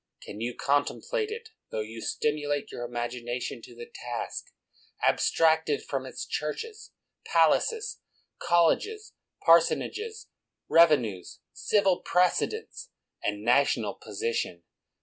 Can you contemplate it, tho you stim ulate your imagination to the task, abstracted from its churches, palaces, colleges, parsonages, revenues, civil precedence, and national posi tion?